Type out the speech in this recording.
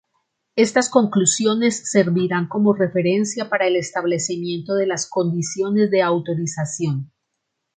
Estas conclusiones servirán como referencia para el establecimiento de las condiciones de autorización.